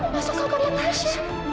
tristan mau masuk ke rumah tasha